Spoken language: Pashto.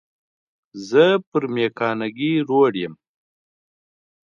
زه پر مېکانګي روډ یم.